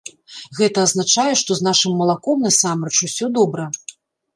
Гэта азначае, што з нашым малаком, насамрэч, усё добра.